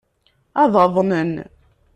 Ad aḍnen.